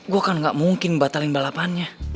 gue kan gak mungkin batalin balapannya